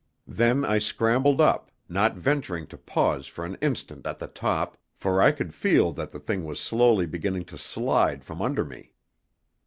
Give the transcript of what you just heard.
Then I scrambled up, not venturing to pause for an instant at the top, for I could feel that the thing was slowly beginning to slide from under me.